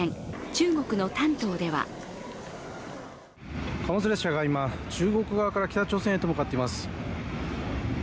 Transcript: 中国の丹東では貨物列車が今、中国側から北朝鮮へと向かっています。